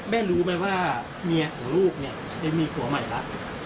แม่รู้ไหมว่าเมียของลูกเนี้ยจะได้มีผัวใหม่ละ